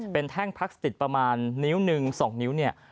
เป็นแท่งพลาสติกประมาณนิ้วหนึ่ง๒นิ้วเนี่ย